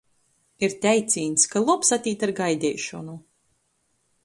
Ir teicīņs, ka lobs atīt ar gaideišonu...